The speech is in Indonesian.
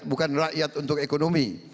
bukan rakyat untuk ekonomi